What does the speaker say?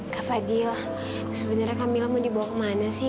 kak fadil sebenarnya kamila mau dibawa kemana sih